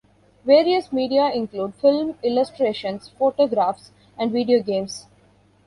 Various media include film, illustrations, photographs and videogames.